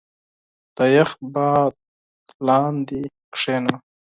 • د یخ باد لاندې کښېنه.